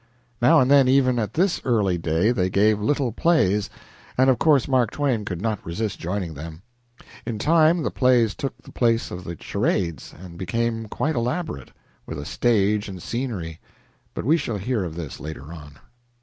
Now and then, even at this early day, they gave little plays, and of course Mark Twain could not resist joining them. In time the plays took the place of the charades and became quite elaborate, with a stage and scenery, but we shall hear of this later on.